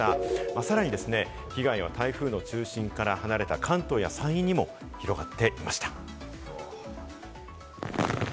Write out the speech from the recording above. さらにですね、被害は台風の中心から離れた関東や山陰にも広がっていました。